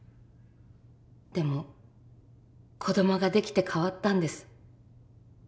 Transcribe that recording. でも子どもができて変わったんです。